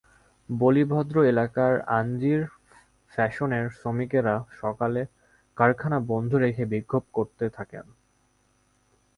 বলিভদ্র এলাকার আনজির ফ্যাশনসের শ্রমিকেরা সকালে কারখানা বন্ধ দেখে বিক্ষোভ করতে থাকেন।